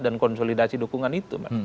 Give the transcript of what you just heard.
dan konsolidasi dukungan itu